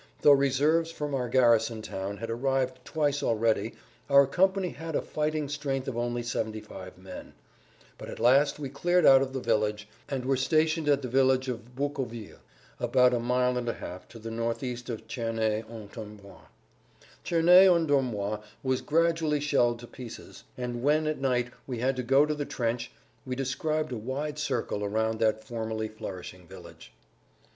Though reserves from our garrison town had arrived twice already our company had a fighting strength of only 75 men. But at last we cleared out of the village, and were stationed at the village of Boucoville, about a mile and a half to the northeast of Cerney en Dormois. Cerney en Dormois was gradually shelled to pieces, and when at night we had to go to the trench we described a wide circle around that formerly flourishing village.